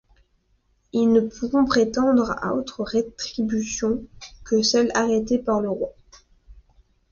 Ils ne pourront prétendre à autres rétributions que celles arrêtées par le roi.